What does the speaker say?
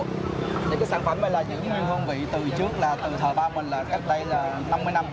cái sản phẩm này là giữ nguyên hương vị từ trước là từ thợ ba mình là cách đây là năm mươi năm